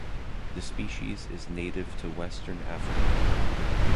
The species is native to Western Africa.